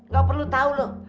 gak perlu tau lo